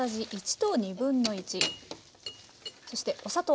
そしてお砂糖。